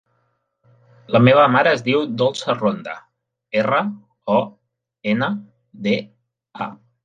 La meva mare es diu Dolça Ronda: erra, o, ena, de, a.